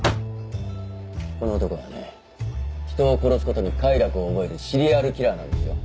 この男はね人を殺すことに快楽を覚えるシリアルキラーなんですよ。